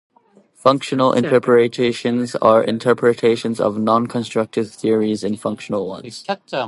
Functional interpretations are interpretations of non-constructive theories in functional ones.